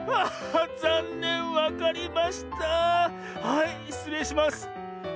はいしつれいします。